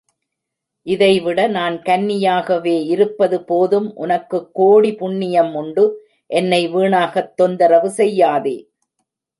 இதைவிட நான் கன்னியாகவே இருப்பது போதும் உனக்குக் கோடி புண்ணியம் உண்டு, என்னை வீணாகத் தொந்தரவு செய்யாதே.